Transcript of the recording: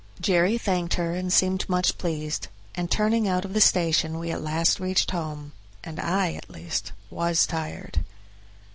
Jerry thanked her and seemed much pleased, and turning out of the station we at last reached home, and I, at least, was tired.